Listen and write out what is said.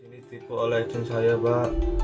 di sini tipu oleh cun saya pak